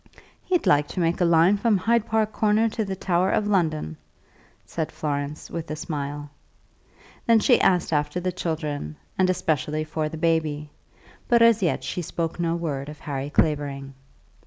"He'd like to make a line from Hyde Park Corner to the Tower of London," said Florence, with a smile. Then she asked after the children, and specially for the baby; but as yet she spoke no word of Harry Clavering.